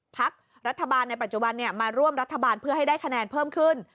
ภักษณ์รัฐบาลในปัจจุบันเนี่ยมาร่วมรัฐบาลให้ได้คะแนนเพิ่มขึ้น